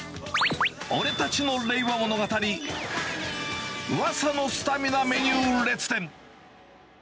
俺たちの令和物語、うわさのスタミナメニュー列伝。